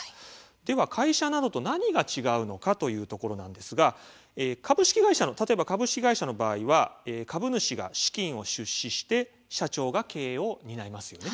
では、会社などと何が違うのかというところなんですが株式会社の場合は株主が資金を出資して社長が経営を担います。